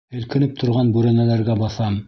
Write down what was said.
Һелкенеп торған бүрәнәләргә баҫам.